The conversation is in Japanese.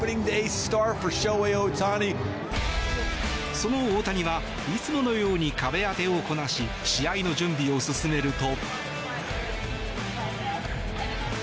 その大谷はいつものように壁当てをこなし試合の準備を進めると。